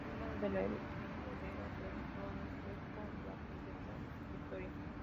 Es madre de la heredera al trono sueco, la princesa Victoria.